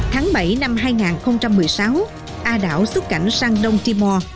tháng bảy năm hai nghìn một mươi sáu a đảo xuất cảnh sang đông timor